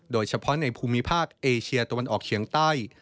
โดยเฉพาะในภูมิภาคเอเชียตะวันออกเฉียงใต้